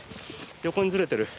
横にずれてる。